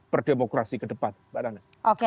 berdemokrasi ke depan mbak nana